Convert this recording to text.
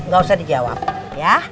gak usah dijawab ya